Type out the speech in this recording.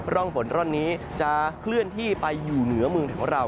ร่องฝนร่อนนี้จะเคลื่อนที่ไปอยู่เหนือเมืองของเรา